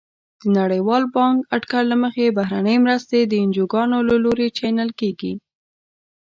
د نړیوال بانک اټکل له مخې بهرنۍ مرستې د انجوګانو له لوري چینل کیږي.